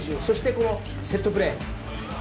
そして、セットプレー。